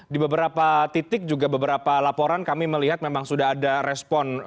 di beberapa titik juga beberapa laporan kami melihat memang sudah ada respon